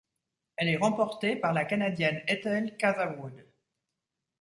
Elle est remportée par la Canadienne Ethel Catherwood.